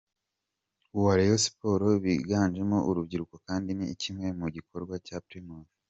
uwa Rayons Sports biganjemo urubyiruko kandi ni kimwe mu gikorwa cya Primus.